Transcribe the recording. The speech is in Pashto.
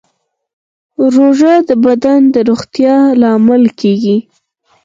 روژه د بدن د روغتیا لامل کېږي.